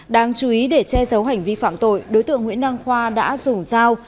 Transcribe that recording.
đáng chú ý để che giấu hành vi phạm tội đối tượng nguyễn đăng khoa đã dùng dao